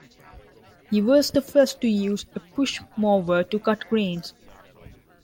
He was the first to use a push mower to cut greens.